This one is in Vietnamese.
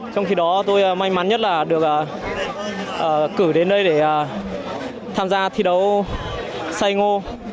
trong khi đó tôi may mắn nhất là được cử đến đây để tham gia thi đấu say ngô